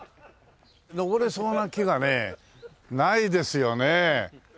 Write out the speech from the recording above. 登れそうな木がねないですよね。